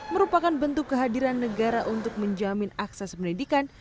merupakan bentuk kehadiran negara untuk menjamin akses pendidikan